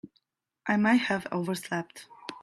I may have overslept.